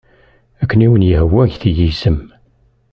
Akken i wen-yehwa get-iyi isem.